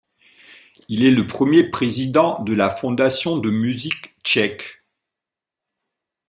Il est le premier président de la Fondation de musique tchèque.